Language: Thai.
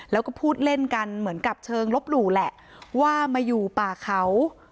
แล้วก็พูดเล่นกันเหมือนกับเชิงลบหลู่แหละว่ามาอยู่ป่าเขา